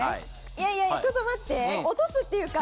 いやいやちょっと待って。